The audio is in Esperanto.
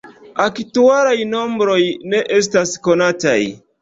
Aktualaj nombroj ne estas konataj.